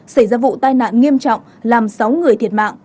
xảy ra vụ tai nạn nghiêm trọng làm sáu người thiệt mạng